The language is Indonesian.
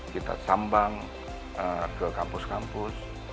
kita sambang ke kampus kampus